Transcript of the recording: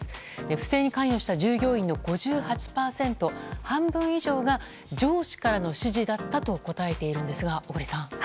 不正に関与した従業員の５８％半分以上が上司からの指示だったと答えているんですが、小栗さん。